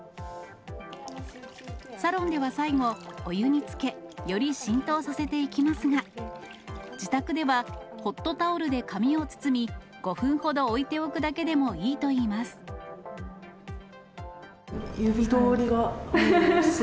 サロンでは最後、お湯につけ、より浸透させていきますが、自宅ではホットタオルで髪を包み、５分ほど置いておくだけでもいいといいます。